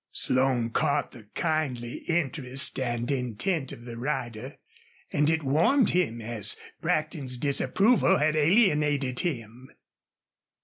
Slone caught the kindly interest and intent of the rider, and it warmed him as Brackton's disapproval had alienated him.